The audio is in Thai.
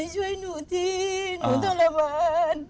ช่วยหนูที่หนูตระบัน